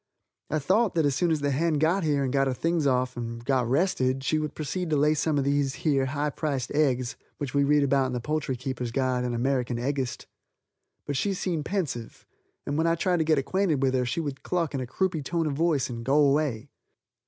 I thought that as soon as the hen got here and got her things off and got rested she would proceed to lay some of these here high priced eggs which we read of in the Poultry Keepers' Guide and American Eggist. But she seemed pensive, and when I tried to get acquainted with her she would cluck in a croupy tone of voice and go away.